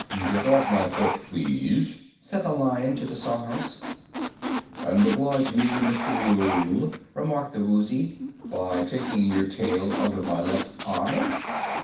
"Get off my foot, please," said the Lion to the Sawhorse. "And oblige me, Mr. Mule," remarked the Woozy, "by taking your tail out of my left eye."